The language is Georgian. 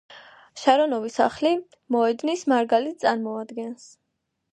შარონოვის სახლი მოდერნის მარგალიტს წარმოადგენს.